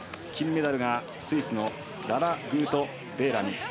金メダルがスイスのララ・グートベーラミ。